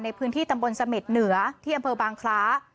ในพื้นที่ตำบลเสม็ดเหนือที่อำเภอบางคล้า